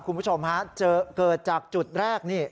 คุณผู้ชมฮะเกิดจากจุดแรกนี่